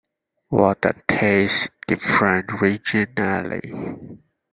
Water tastes different regionally.